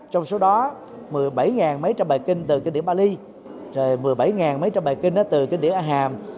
trong số đó một mươi bảy mấy trăm bài kinh từ kinh điểm bali một mươi bảy mấy trăm bài kinh từ kinh điểm a hàm